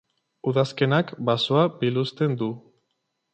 Udazkenak basoa biluzten du.